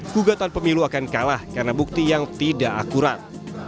gugatan pemilu akan kalah karena bukti yang tidak akurat